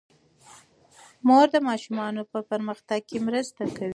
مور د ماشومانو په پرمختګ کې مرسته کوي.